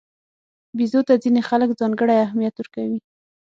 بیزو ته ځینې خلک ځانګړی اهمیت ورکوي.